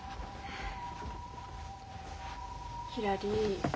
ひらり。